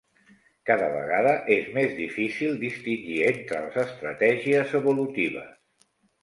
Cada vegada és més difícil distingir entre les estratègies evolutives.